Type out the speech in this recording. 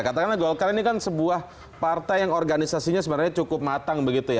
katakanlah golkar ini kan sebuah partai yang organisasinya sebenarnya cukup matang begitu ya